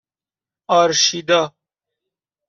آرشیدا